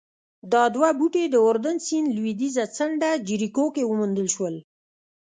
دا دوه بوټي د اردن سیند لوېدیځه څنډه جریکو کې وموندل شول